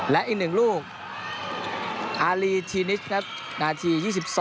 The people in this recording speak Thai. และอีกหนึ่งลูกอารีชีนิชม์ครับอันที่๒๒